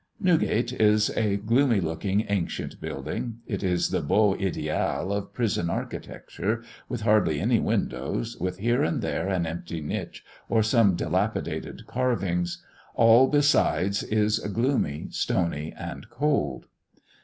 Newgate is a gloomy looking, ancient building. It is the beau ideal of prison architecture, with hardly any windows, with here and there an empty niche, or some dilapidated carvings; all besides is gloomy, stony, and cold.